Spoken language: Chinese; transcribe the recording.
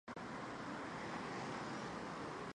叶苞紫堇为罂粟科紫堇属下的一个种。